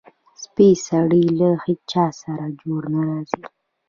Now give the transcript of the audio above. سپی سړی له هېچاسره جوړ نه راځي.